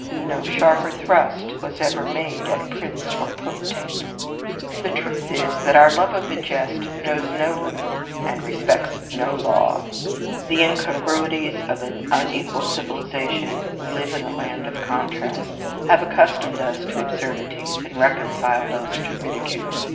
No sharper thrust was ever made at prince or potentate. The truth is that our love of a jest knows no limit and respects no law. The incongruities of an unequal civilization (we live in the land of contrasts) have accustomed us to absurdities, and reconciled us to ridicule.